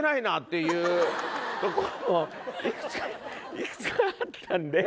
いくつかあったんで。